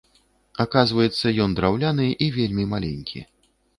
Аказваецца, ён драўляны і вельмі маленькі.